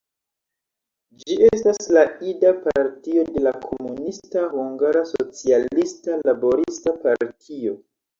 Ĝi estas la ida partio de la komunista Hungara Socialista Laborista Partio.